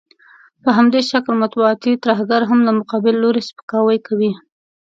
په همدې شکل مطبوعاتي ترهګر هم د مقابل لوري سپکاوی کوي.